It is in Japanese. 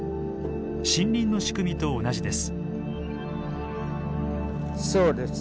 森林の仕組みと同じです。